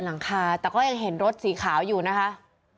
หลังคาแต่ก็ยังเห็นรถสีขาวอยู่นะคะ